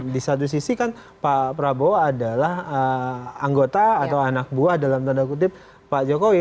di satu sisi kan pak prabowo adalah anggota atau anak buah dalam tanda kutip pak jokowi